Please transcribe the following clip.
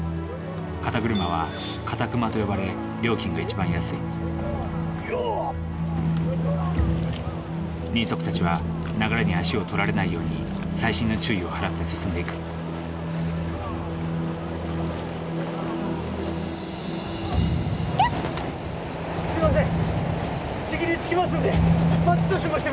肩車は「カタクマ」と呼ばれ料金が一番安い人足たちは流れに足を取られないように細心の注意を払って進んでいくきゃっ！